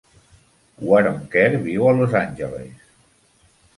Waronker viu a Los Angeles.